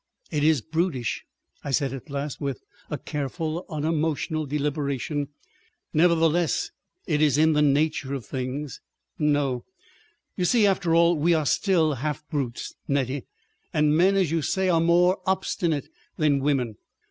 "It IS brutish," I said at last, with a careful unemotional deliberation. "Nevertheless—it is in the nature of things. ... No! ... You see, after all, we are still half brutes, Nettie. And men, as you say, are more obstinate than women.